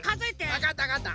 わかったわかった。